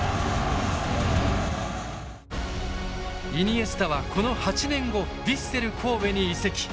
イニエスタはこの８年後ヴィッセル神戸に移籍。